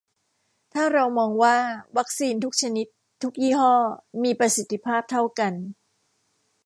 ถ้าเรามองว่าวัคซีนทุกชนิดทุกยี่ห้อมีประสิทธิภาพเท่ากัน